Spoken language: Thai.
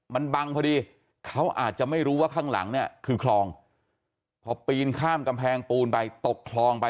มันบังพอดีเขาอาจจะไม่รู้ว่าข้างหลังเนี่ยคือคลองพอปีนข้ามกำแพงปูนไปตกคลองไป